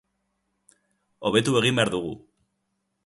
Hobetu egin behar dugu.